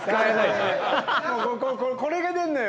これが出んのよ。